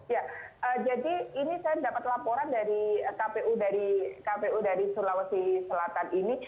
ya jadi ini saya dapat laporan dari kpu dari sulawesi selatan ini